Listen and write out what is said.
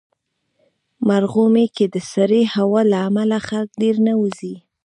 مرغومی کې د سړې هوا له امله خلک ډېر نه وځي.